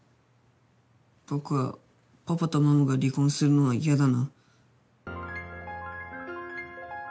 僕はパパとママが離婚するのは嫌だな。